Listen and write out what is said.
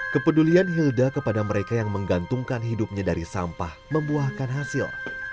kepedulian hilda kepada mereka yang menggantungkan hidupnya dari sampah membuahkan hasil